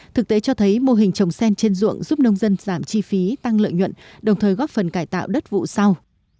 thực tế cho thấy mô hình trồng sen trên ruộng giúp nông dân giảm chi phí tăng lợi nhuận đồng thời góp phần cải tạo đất vụ sau